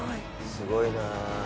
すごいなあ。